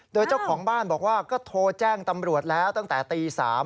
โดยเจ้าของบ้านบอกว่าก็โทรแจ้งตำรวจแล้วตั้งแต่ตี๓